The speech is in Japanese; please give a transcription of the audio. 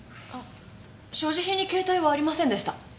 あ所持品に携帯はありませんでした。